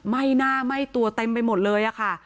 หน้าไหม้ตัวเต็มไปหมดเลยค่ะ